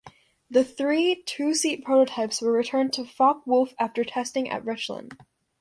The three two-seat prototypes were returned to Focke-Wulf after testing at Rechlin.